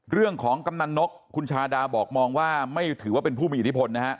กำนันนกคุณชาดาบอกมองว่าไม่ถือว่าเป็นผู้มีอิทธิพลนะฮะ